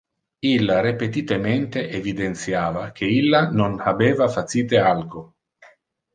illa repetitemente evidentiava que illa non habeva facite alco